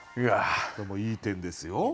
でもいい点ですよ。